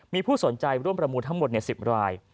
มีผู้สนใจร่วมประมูลทั้งหมด๑๐ราย